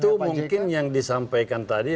itu mungkin yang disampaikan tadi